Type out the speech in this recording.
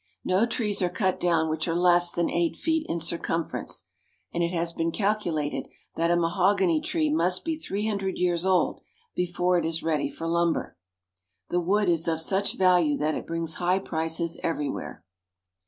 No trees are cut down which are less than eight feet in circumference, and it has been calculated that a mahogany tree must be three hundred years old before it is ready for lumber. The wood is of such value that it brings high prices everywhere.